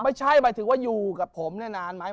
ไม่ใช่หมายถึงว่าอยู่กับผมเนี่ยนานไหม